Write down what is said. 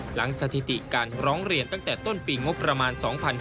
สถิติการร้องเรียนตั้งแต่ต้นปีงบประมาณ๒๕๕๙